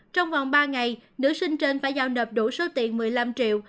trong vòng ba ngày nữ sinh trên phải giao nộp đủ số tiền một mươi năm triệu